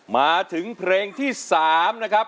มาถึงเพลงที่๓นะครับ